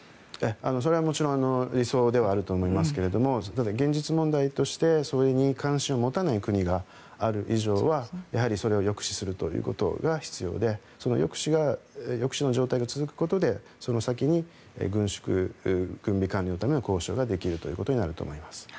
それはもちろん理想ではあると思いますが現実問題としてそういう慣習を持たない国がある以上はそれを抑止することが必要で抑止の状態が続くことでその先に軍縮、軍備管理のための交渉ができると思います。